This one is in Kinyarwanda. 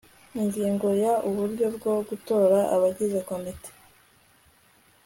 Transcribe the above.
ingingo ya uburyo bwo gutora abagize komite